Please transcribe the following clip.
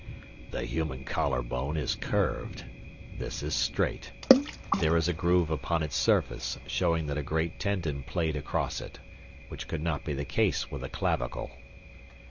"The human collar bone is curved. This is straight. There is a groove upon its surface showing that a great tendon played across it, which could not be the case with a clavicle."